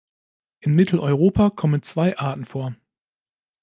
In Mitteleuropa kommen zwei Arten vor.